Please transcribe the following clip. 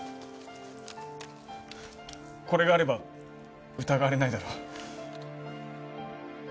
これがあれば疑われないだろう。